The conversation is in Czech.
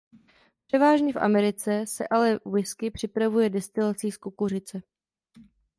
Převážně v Americe se ale whisky připravuje destilací z kukuřice.